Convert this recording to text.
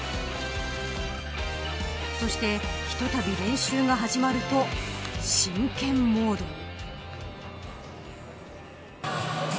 そして、ひとたび練習が始まると真剣モードに。